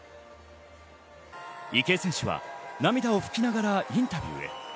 池江選手は涙をふきながらインタビューへ。